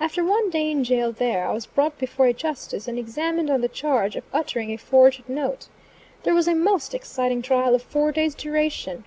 After one day in jail there, I was brought before a justice and examined on the charge of uttering a forged note. There was a most exciting trial of four days duration.